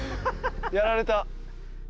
やられた。